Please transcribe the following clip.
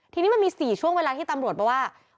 ทีนี้มันมี๔ช่วงเวลาที่ตำรวจบอกว่า